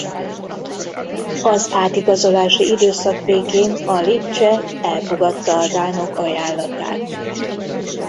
Az átigazolási időszak végén a Lipcse elfogadta a dánok ajánlatát.